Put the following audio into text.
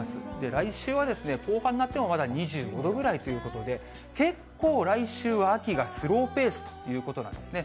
来週は後半になってもまだ２５度ぐらいということで、結構来週は秋がスローペースということなんですね。